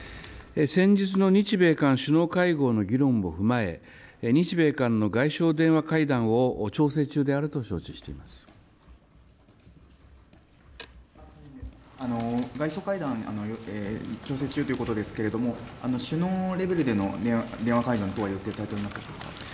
先日の日米韓首脳会合の議論も踏まえ、日米韓の外相電話会談外相会談調整中ということですけれども、首脳レベルでの電話会談等は予定されておりますでしょうか。